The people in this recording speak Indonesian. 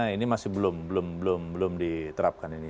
ini masih belum belum diterapkan ini